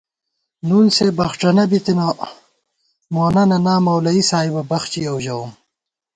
نُن سےبخڄَنہ بِتَنہ، مونہ ننا مولوی صاحِبہ بخچِیَؤ ژَوُم